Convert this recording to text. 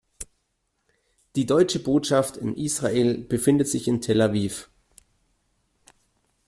Die Deutsche Botschaft in Israel befindet sich in Tel Aviv.